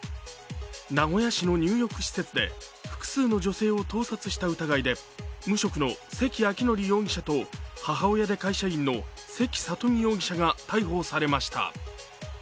名古屋市の入浴施設で複数の女性を盗撮した疑いで無職の関明範容疑者と母親で会社員の関佐登美容疑者が逮捕されました。